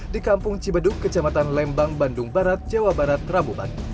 di kampung cibeduk kecamatan lembang bandung barat jawa barat rabu pagi